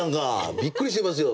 びっくりしてますよ。